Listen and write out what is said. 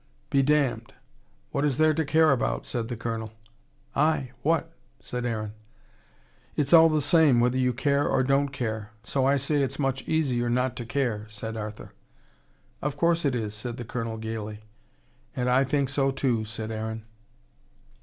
"Be damned. What is there to care about?" said the Colonel. "Ay, what?" said Aaron. "It's all the same, whether you care or don't care. So I say it's much easier not to care," said Arthur. "Of course it is," said the Colonel gaily. "And I think so, too," said Aaron.